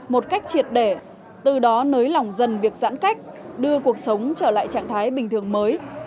một cách triệt để từ đó nới lỏng dần việc giãn cách đưa cuộc sống trở lại trạng thái bình thường mới